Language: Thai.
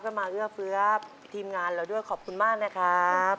ก็มาเอื้อเฟื้อทีมงานเราด้วยขอบคุณมากนะครับ